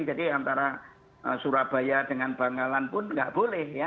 jadi antara surabaya dengan bangalan pun tidak boleh ya